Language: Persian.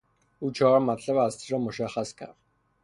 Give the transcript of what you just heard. او چهار مطلب اصلی را مشخص کرد.